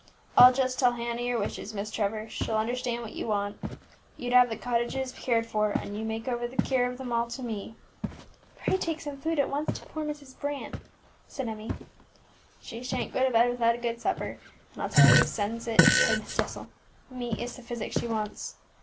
I'll just tell Hannah your wishes, Miss Trevor, she'll understand what you want. You'd have the cottagers cared for, and you make over the care of them all to me." "Pray take some food at once to poor Mrs. Brant," said Emmie. "She shan't go to bed without a good supper, and I'll tell her who sends it," cried Mrs. Jessel; "meat is the physic she wants.